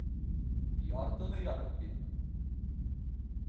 Яртыны ярып бир!